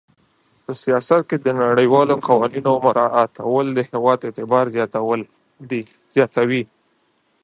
په سیاست کې د نړیوالو قوانینو مراعاتول د هېواد اعتبار زیاتوي.